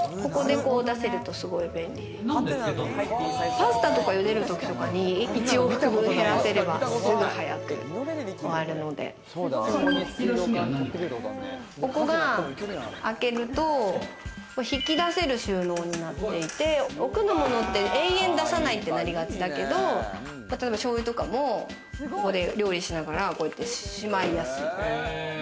パスタとか茹でるときとかに、１往復分へらせればここが開けると、引き出せる収納になっていて、奥のものって延々出さないってなりがちだけど、醤油とかも、ここで料理しながらしまいやすい。